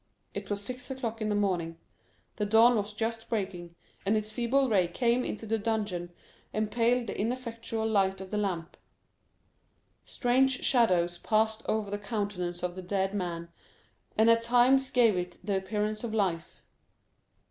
It was six o'clock in the morning, the dawn was just breaking, and its feeble ray came into the dungeon, and paled the ineffectual light of the lamp. Strange shadows passed over the countenance of the dead man, and at times gave it the appearance of life.